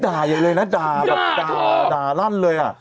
ด่ายังเลยนะด่าลั่นเลย